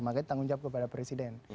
makanya tanggung jawab kepada presiden